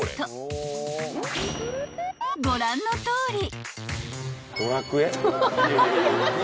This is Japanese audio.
［ご覧のとおり］